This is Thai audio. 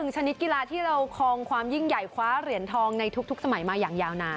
ชนิดกีฬาที่เราคลองความยิ่งใหญ่คว้าเหรียญทองในทุกสมัยมาอย่างยาวนาน